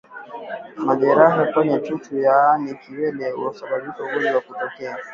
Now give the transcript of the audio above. Majeraha kwenye chuchu yaani kiwele husababisha ugonjwa kutokea